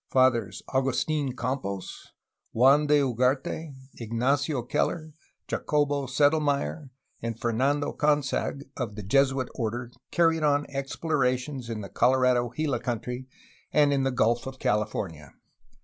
Fathers Agustin Campos, Juan de Ugarte, Ignacio Keller, Jacobo Sedelmayr, and Fernando Consag of the Jesuit order carried on explorations in the Colorado Gila country and in the Gulf of California.